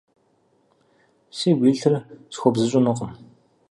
Сигу илъыр схуэбзыщӀынукъым…